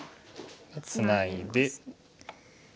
ツナいで。